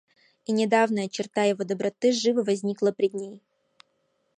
И недавняя черта его доброты живо возникала пред ней.